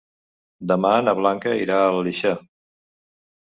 Demà na Blanca irà a l'Aleixar.